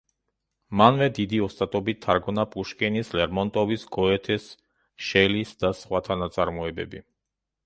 მანვე დიდი ოსტატობით თარგმნა პუშკინის, ლერმონტოვის, გოეთეს, შელის და სხვათა ნაწარმოებები.